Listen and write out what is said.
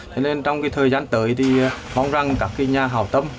cho nên trong thời gian tới thì hong răng các nhà hào tâm